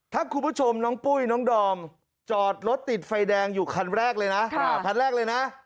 ถ้าคุณผู้ชมน้องปุ้ยน้องดอมจอดรถติดไฟแดงอยู่คันแรกเลยนะ